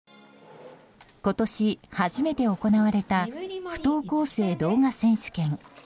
今年、初めて行われた不登校生動画選手権。